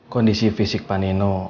kondisi fisik pak nino